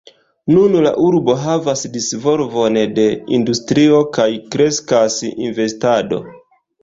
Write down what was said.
Nun la urbo havas disvolvon de industrio, kaj kreskas investado.